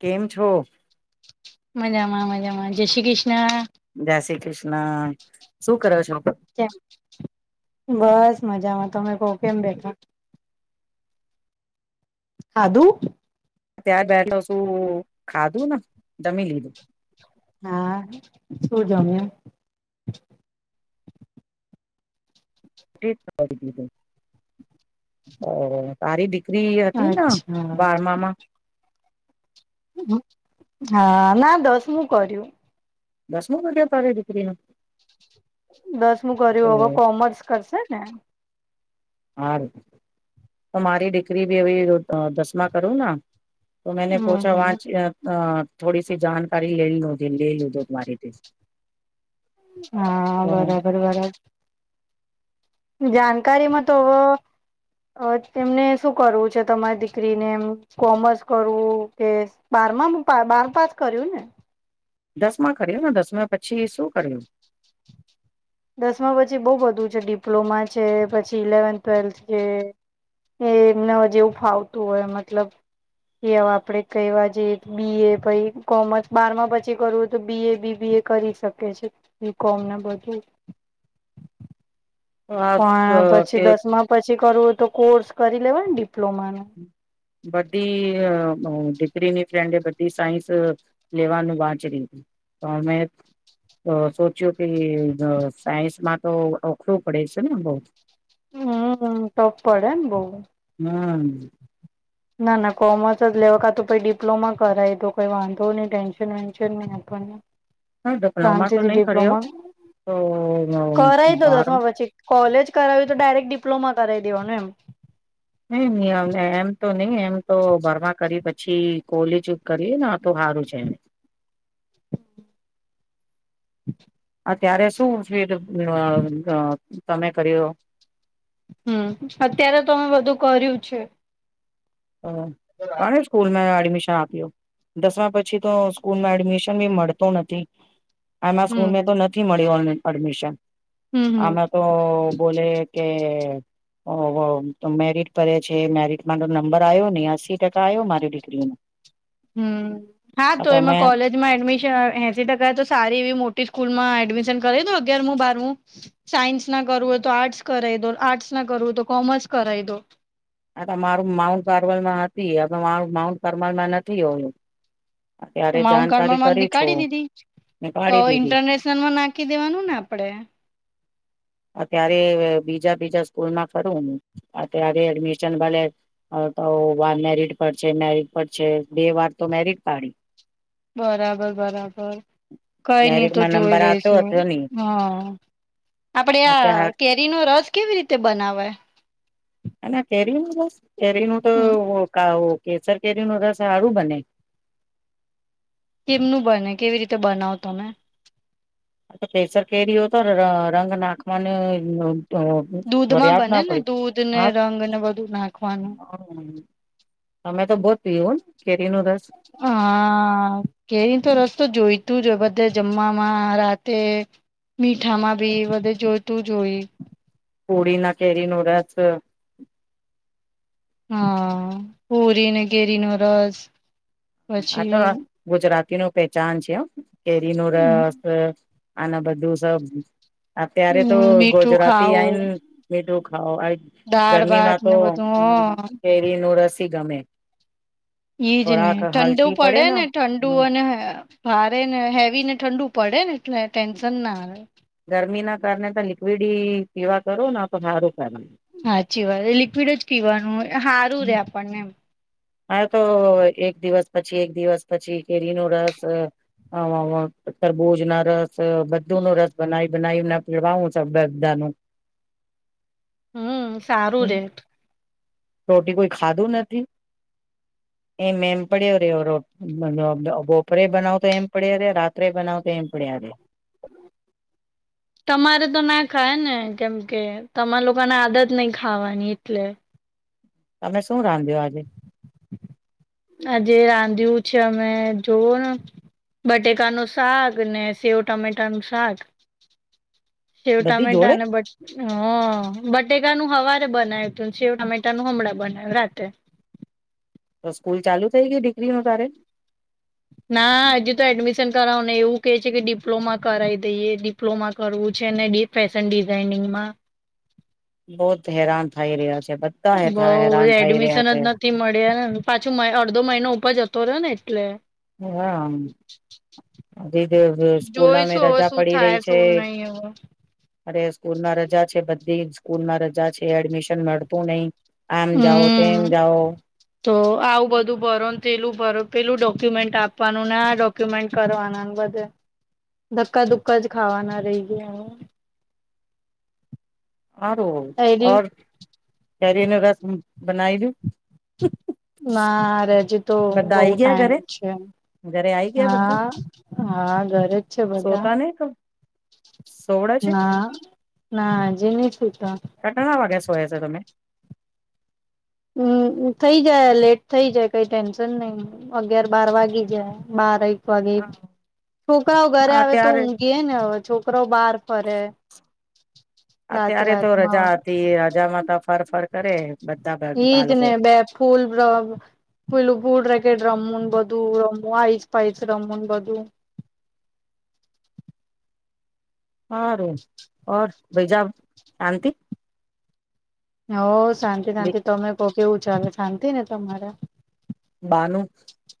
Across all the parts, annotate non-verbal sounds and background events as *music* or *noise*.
કેમ છો મજામાં-મજામાં જેશી કશ હા ક્રિષ્ન *inaudible* બસ મજામાં તમે કો કેમ બેઠા. ખાધું ત્યાર બેઠલો શું ખાધું ને જમી લીધું. હા શું જમ્યું *unintelligible* *inaudible* *inaudible* સારી દી ફ્રી હતી ને અચ્છા બારમામાં હા ના દસમું કર્યું. દસમો કર્યુ તારી દીકરીન દસમું કર્યું હવે કોમર્સ કરશે ને હા ર તો મારી દીકરી ભી હ દસમા કરું ન. તો મેને હમ પૂછા હમ. વાચ *unintelligible* થોડી સી જાણકારી લે લ લે લુંધ તમારે હા બરાબર-બરાબર જાણકારીમાં તો એમને શું કરવું છે તમારી દીકરીને એમ કોમર્સ કરવું કે બારમાં બાર પાસ કર્યું ને દસમા કર્યું ને દસમા પછી શું કર્યું દસમા પછી બહુ બધું છે ડિપ્લોમા છે પછી ઇલેવન્થ ટ્વેલ્થ છે એ એમને જેવું ફાવતું હોય મતલબ કે હ આપણેે કવા જે બી એ પછ કોમર્સ બારમા પછી કરવું હોય તો બી એ બીબી એ કરી શકે છે બી કોમને બધું આ પણ પછી કે દસ માં પછી કરવું તો કોર્સ કરી લેવાડી. બડી. દીકરીની ફ્રેન્ડ બધી સાઈન્સ લેવાનું વાંચ લું પણ મે સોચ્યું. સાયન્સ મા તો ઓખળું પડે છે ને બહુ હમ તોપ પડેને બહુ હા. ના ના કોમર્સ જ લેવા કાતો ડિપ્લોમા કરાય તો કોઈ વાંધો નહી ટેન્શન વેન્શન નહી આપવાને. હા ડિપ્લોમા તો નહી કર્યો તો કરાય દો બાર. દસમા પછી કોલેજ કરાવ્યું તો ડાયરેક્ટ ડિપ્લોમા કરાવી દેવાનુ એમ. નહી એમ તો નહી એમ. તો ભરમાં કરી પછ. છી કોલીજ કરી ને આતો હારું છે. અત્યારે શું ફીડ અ તમે કર્યો. હમ અત્યારે તો મેમે બધું કર્યું છે. અ કાણે સ્કૂલ મા *unintelligible* *unintelligible* આપયો દસમા પછી તો સ્કૂલમાં એડમિશન બી મળતો નથી. આમાં હમ સ્કૂલ મે તો નથી મળ્યો આને. એડમિશન. હમ હમ આમે તો બોલે કે ઓ હો તો મેરટ ભે છે મેરિટ તો ન નંબર આયો ને અસી ટકા આયો મારી દીકરી ને. હમ હા તો એમાં કોલેજમાં એડમિશન એસી ટકા તો સારી એવી મોટી સ્કૂલમાં. એડમીશન કરાઈ દો અગાર બારમું સાયન્સ ના કરવું હોય તો આર્ટસ કરાઈ દો આર્ટસના કરવુંય તો કોમર્સ કરાઇ દો. આ મારું માઉન્ટ પરમલમાં હતી હવે મારું માઉન્ટ પરમલમાં નથી હું. માઉન્ટ *inaudible* માં નીકાળી દીધી ને તો કાઢી દીધી ઇન્ટરનેશનલમાં નાખી દેવાનુંને આપડે. અત્યારે બીજા બીજા સ્કૂલમાં ફરુ અત્યારે એડમિશન મલે તો વાન મેરિટ પર છે મેરિટ પર છે બે વાર તો મેરિટ પાડી.. બરાબર બરાબર કઈ નહી તો મેરિટમાં જોઈ નંબર આવતો લઈશું હતો નહી હા. આપડે અત્યારે આ કેરી નો રસ કેવી રીતે બનાવે? અને કેરી નો રસ કેરીનું તો હમ મુકાવુ. કેસર કેરી નો રસ હારું બને. કેમનું બને કેવી રીતે બનાવો તમે. કેસર કેરી હો તો રંગ નાખવાને નો. દૂધમાં ફરયાદ બને ના ને પડી દૂધ હ ને રંગ ને બધું નાખવાનું તમે તો બો *inaudible* હા કેરી તો રસ જોઈતું જ હોય બધા. જમવામાં રાતે મીઠામાં બી બધે જોઈતું હોય. પૂડી ના કેરી નો રસ. હા પૂરીને કેરીનો રસ. આ તો પછી ગુજરાતી નો પેચાન છે અ કેરી નો રસ. આના બધું સ અત્યારે તો મીઠું ગોજરાતી ખાવું આવીઈ મીઠું ખાઓ દાળ ભાત ગરમીમાં તો ને બધું હ કેરી નું રસ ગમે એ જને થોડાક ઠંડુ હલકી પડે ને ઠંડુ હમ અને ભારે ને હેવીને ઠંડુ પડે. ખેને એ ટેન્શન ના. ગરમી ના કારણે તો લિક્વિડ પીવા કરો ના તો હારો. હાચી વાત લિક્વિડ જ પીવાનું સારું રે આપણને એમ. હ તો એક દિવસ પછી એક દિવસ પછી કેરી ન રસ તરબૂજ ના રસ. બધું નો રસ બનાવી. બનાવીને પીવાું છ બધાનું હમ સારું રેટ રોટી કોઈ ખાધું નથી. એ મેમ પડ્યો ર્યો્યો રો બોપરે બનાવ તો એમ પડે રાત્રે બનાવ તો એમ પડ્યા રે. તમારે તો ના ખાય ને કેમ કે તમા લોકોને આદત નહી, ખાવાની એટલે તમે શું રાંધ્યો આજે? આજે રાંધ્યું છે, અમે જોવ ને બટેકા નું શાક, ને સેવ ટમેટા નું શાક શિવ બધી ટમેટા જોડે અને બટ હ બટ નું હવારે બનાવ્યું તું શવ ટામેટા ન હમળં બનાવ્યું રાતે. તો સ્કૂલ ચાલુ થઇ ગઈ ડિગ્રી ન તારે. ના હજી તો એડમિશન કરાવને એવું કે છે. કે ડિપ્લોમા કરાવ દઈએ ડિપ્લોમા કરવું છે. ફેશન ડિઝઇનિંગમાં બહત હેરાન થઈ રહ્યા છે. બધા બહુ હેરાન થઈ રહ્યા એડમિશન જ છે. નથી મળ્યા. ને પાછું અડધો મહિનો ઉપર જતો રહ્યો ને એટલે હા સ્કૂલામાં જોઈશું હવે રજા શું પડી થાય રહી છે. શું નહી હવે. અરે સ્કૂલમાં રજા છે, બધી સ્કૂલમાં રજા છે. એડમિશન મળતું નહી. આમ જાઓ તેમમ હમ જાઓ. તો આવું બધું ભરો ને પેલું ભરો પેલું ડોક્યુમેન્ટ આપવાનું ને આ ડોક્યુમેન્ટ કરવાના બધે ધક્કાધુકા જ ખાવાના રહી ગયા. એડી *inaudible* તને રસ બનાઈ દુ. ના હજી તો બધા બહ આઈ ગયા ટાઈમ ઘરે છે. ઘરે આઈ ગયા બધા હા હા ઘરે જ છે. બધા સોતા નહી તો સોવડે છે ના ના હજે નહી સુ કટણા વાગેસ હોય છે તમે? હમ થઇ જાય લેટ થઇ જાય કઈ ટેન્શન નહી. અગિયાર બાર વાગી જાય બાર વાગી હા છોકરાઓ ઘરે આવે તો અત્યારે ઊંઘી ને હવે છોકરાઓ બહાર ફરે. *inaudible* રાત અત્યારે તો રજા રાતમાં હતી રજામાં તો ફર ફર કરે બધા ભાભી એજને બે ફૂલ *unintelligible* ફૂલ *unintelligible* રે રમવુંન બધું રમવા આઇસ પાઇસ રમવુંન બધું. હારું ઔર ભાઇ સાહબ શાંતિ *unintelligible* શાંતિ શાંતિ તમે કો કેવું ચાલે શાંતિ ને તમારા? બાનું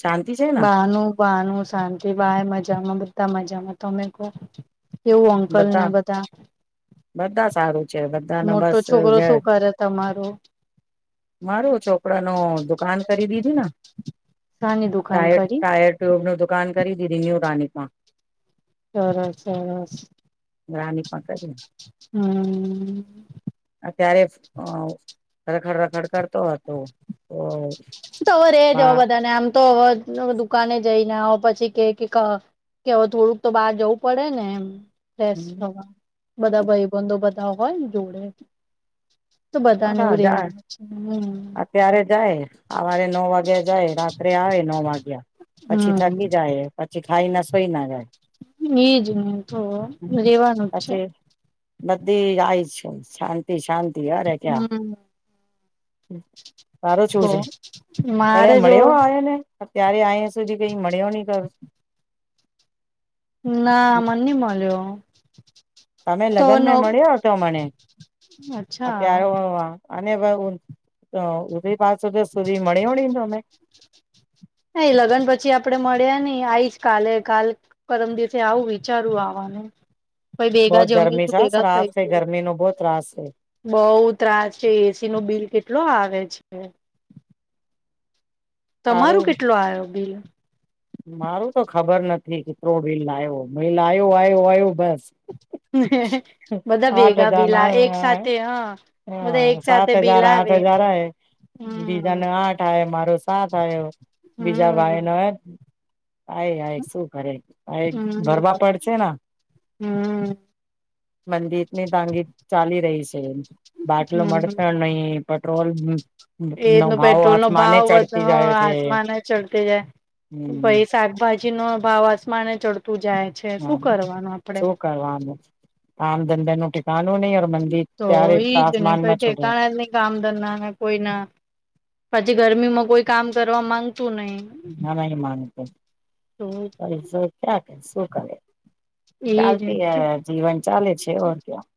શાંતિ છે ને? બાનું બાનું શાંતિ બાએ મજામાં બધા મજામાં તમે કહો? કેવું અંકલ ને બધા બધા સારું છે. *unintelligible* અને મોટો બસ છોકરો શું કરે તમારો *unintelligible* મારું છોકરા નું દુકાન કરી દીધું ને *unintelligible* શાની દુકાન ટાયર કરી ટાયર ટ્યુબનું દુકાન? દુકાન કરી દીધી ન્યુ રાણીપ માં સરસ સરસ રાણીપ માં કરી *unintelligible* હમ અત્યારે *inaudible* અ રખડ રખડ કરતો હતો. હા. તોરે જો બધા નામ. તો દુકાને જઈને આવ પછી કે કે અવે થોડુંક તો બહાર જવું પડે ને એમ. ફ્રેશ થવા બધા ભયબંધો ને બધા. હોય ને જોડે *unintelligible* એ તો બધાયને હા એવું જાય રેવાનું છે હમ. અત્યારે જાય સવારે નવ વાગ્યા જાય રાત્રે આવે નો વાગ્યા પછી થકી હમ જાય પછી ખાઈ ના સોઈ ના જાય એજ ને તો રેવાનું જ *unintelligible* છે પછી બધી આાય છે શાંતિ શાંતિ. હમ. હમ તારું શું તો છે મારે *unintelligible* જો મળ્યો આવેને. અત્યારે અહીંયા સુધી કઈ મળ યોની કર. ના મન નઇ મળ્યો. તમે તો લગ્ન મે નો મળ્યો હતો મને અચ્છા અત્યારે આ અને બુ તો ઉદેત આજ સુધી સુરી મળ્યો નહી તમને એ લગ્ન પછી આપડે મળ્યા નઈ આવીઈ જ કાલે કાલ કરમ દિવસે આવું વિચારું આવાનું. પ બહુ ભેગા ગરમી જમીશું છે ભેગા ત્રાસ છે ખાઈશું ગરમી નો બહુ ત્રાસ છે બઉ ત્રાસ છે એસી નું બિલ કેટ કેટલો આવે છે. તમારું તારું કેટલો આવ્યો બિલ મારું તો ખબર નથી કેટ્ર વીલ આવ્યો મે લ્યો આવ્યો આવ્યો બસ. બધા આઠ ભેગા હજાર બિલા એક સાથે હા ના બધા એક સાત સાથે બિલ હજાર આઠ આવે હજાર આ હમ બીજાને આઠ આ મારો સાત આ બીજા ભાઈ ન હમ આ આ શું કરે હમ ભરવા પડશે હમ મંદીની તાંગી ચાલી રહી છે બાટલો મતા નહી પેટ્રોલ હમ. એનું પેટ્રોલ નો ભાવ વધ જાય છે આસમાન ચડતી જાય. હમ ભાઈ શતભ ભ નો ભાવ આસમાને ચ હમ શું કરવાનું આમ દન દ નથી. તો ઈજ ને કઈ આસમાનમાં છોડે ઠેકાણા જ નઈ કામ ધંધા ને કોઈ ના પછી ગરમીમાં કોઈ કામ કરવા માંગ તું નહી હમ. તો પરસો ક્યાંક કેન્સલ કરીએ. એજ ચાલતી હ જીવન ચાલે છે ઓર ક્યાં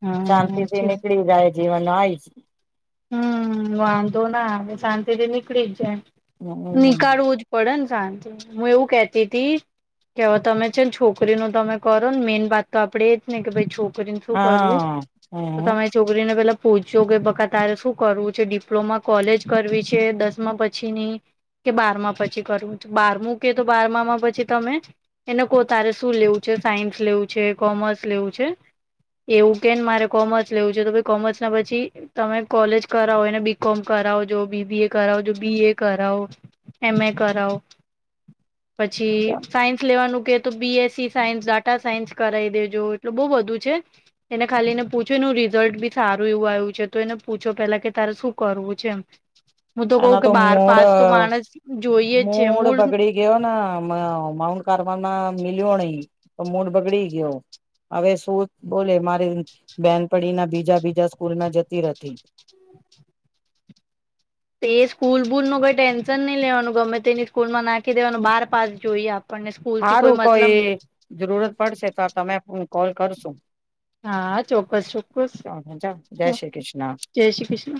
હા શાંતિ થી સાચી વાત નીકળી જાય. જીવન આઈસ હમ વાંધો ના શાંતિથી નીકળી જાય. હમ નીકાળવું જ પડે ને. શાંતિ હું એવું કેહેતી તી કે હવે તમે છે ને છોકરી નો તમે કરો ને મેઈન વાત તો આપડે એ જ ને કે ભઈ છો. રીને શું કરવું હા તો હમ તમારી છોકરીને પેલા પૂઇછું કે બકા તારે શું કરવું છે ડિપ્લોમા કોલેજ કરવી છે દસમા પછી ની કે બારમા પછી કરવું બારમું કે તો બારમામાં પછી તમે એને કો તારે શું લેવું છે સાયન્સ લેવું છે કોમર્સ લેવું છે એવું કે મારે કોમર્સ લેવું છે તો પ કોમર્સ ના પછી તમે કોલેજ કરાવો એને બી. કોમ કરાવોજો બી. બી. એ કરાવોજો બી. એ કરાવો એમ. એ કરાવો. પછી સાયન્સ લેવાનું કે તો B. S. C science data science કરાઈ દેજો એટલુ બહુ બધું છે એને ખાલી ને પૂછેનો રિઝલ્ટ બી સારું એવું આવ્યું છે. તો એને પૂછો પેલા કે તારે શું કરવું છે એમ હું કહ એના તો કે બાર મૂડ પાસ તો માણસ જોઈએ જ છે મૂડ મૂળ બગડી ગીયો ના મા *unintelligible* મિલ્યો નહી તો મૂડ બગડી ગીયો હવે શું બોલે મારી બેન પડી ના બીજા બી જા સ્કૂલ ના જતી રથી એ સ્કૂલ બુલ નું કઈ ટેન્શન નહી લેવાનું ગમે તેની સ્કૂલમાં નાખી દેવાનું બાર પાસ જોઈએ આ સારું કોઈ જરૂરત પડશે ત તમે હું કોલ કરશું, હા ચોક્કસ ચોક્કસ ચાલ, જય શ્રી કૃષ્ણ. *inaudible* જય શ્રી કૃષ્ણ.